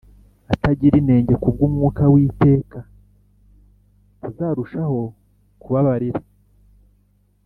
atagira inenge ku bw Umwuka w iteka ntazarushaho kubabarira